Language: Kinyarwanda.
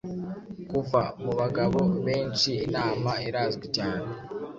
Kuva mubagabo benshiinama irazwi cyane